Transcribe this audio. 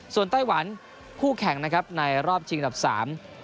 ส่วนไต้หวันผู้แข่งนะครับในรอบจริงตับสาม